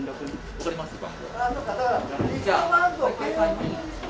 取りますか。